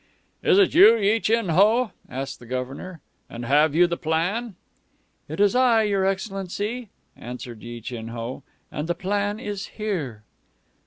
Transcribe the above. "Is it you, Yi Chin Ho?" asked the Governor. "And have you the plan?" "It is I, your excellency," answered Yi Chin Ho, "and the plan is here."